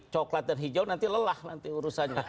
coklat dan hijau nanti lelah nanti urusannya